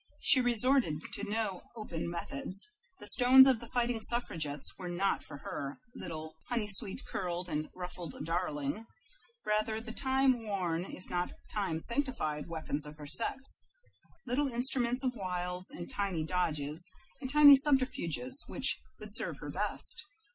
She resorted to no open methods; the stones of the fighting suffragettes were not for her, little honey sweet, curled, and ruffled darling; rather the time worn, if not time sanctified, weapons of her sex, little instruments of wiles, and tiny dodges, and tiny subterfuges, which would serve her best.